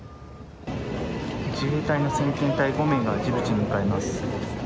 自衛隊の先遣隊５名がジブチに向かいます。